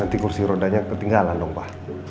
nanti kursi rodanya ketinggalan dong pak